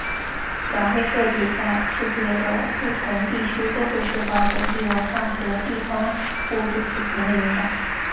展会设计在世界的不同地区都会受到本地文化和地方物质水平的影响。